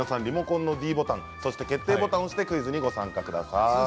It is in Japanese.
リモコンのｄボタンそして決定ボタンを押してクイズにご参加ください。